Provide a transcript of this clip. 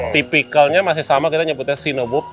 typicalnya masih sama kita nyebutnya cinewoop